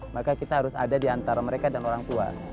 maka kita harus ada di antara mereka dan orang tua